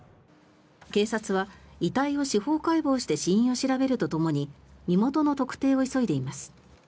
警察は遺体を司法解剖して死因を調べるとともに身元の特定を急いでいます。